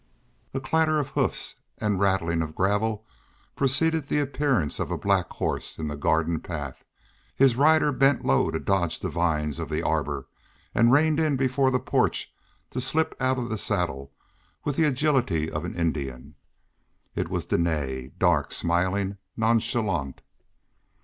A clatter of hoofs and rattling of gravel preceded the appearance of a black horse in the garden path. His rider bent low to dodge the vines of the arbor, and reined in before the porch to slip out of the saddle with the agility of an Indian. It was Dene, dark, smiling, nonchalant.